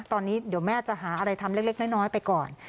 ตอนนี้เดี๋ยวแม่จะหาอะไรทำเล็กน้อยไปก่อน